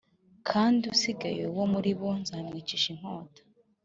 kandi usigaye wo muri bo nzamwicisha inkota